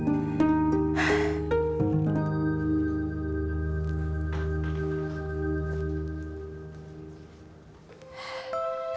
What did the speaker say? ini pia oke